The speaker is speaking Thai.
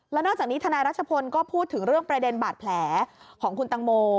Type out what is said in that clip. แล้วนอกจากนี้ทนายรัชพลก็พูดถึงเรื่องประเด็นบาดแผลของคุณตังโม